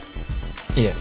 いえ。